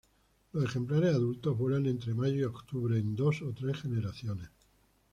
Los ejemplares adultos vuelan entre mayo y octubre en dos o tres generaciones.